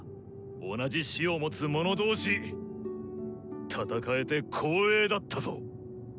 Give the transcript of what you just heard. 同じ師を持つ者同士戦えて光栄だったぞ。